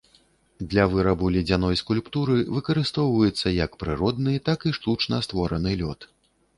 Для вырабу ледзяной скульптуры выкарыстоўваецца як прыродны, так і штучна створаны лёд.